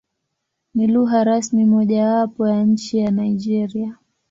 Ni lugha rasmi mojawapo ya nchi ya Nigeria.